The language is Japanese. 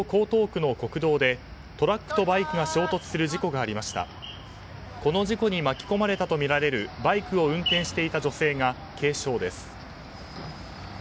この事故に巻き込まれたとみられるバイクを運転していた女性が軽傷です。